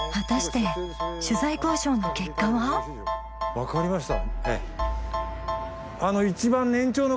分かりました。え？